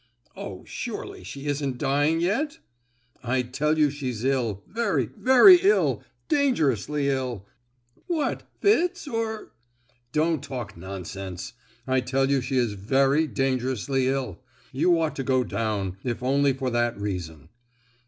"Oh, surely she isn't dying yet?" "I tell you she's ill; very, very ill—dangerously ill." "What, fits? or——" "Don't talk nonsense. I tell you she is very dangerously ill. You ought to go down, if only for that reason."